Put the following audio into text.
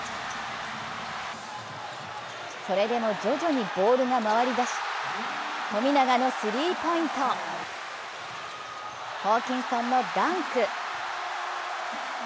それでも徐々にボールが回り出し、富永のスリーポイント、ホーキンソンのダンク！